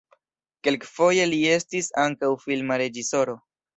Kelkfoje li estis ankaŭ filma reĝisoro.